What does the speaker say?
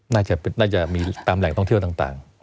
น่าจะมีตามแหล่งท่องเที่ยวต่าง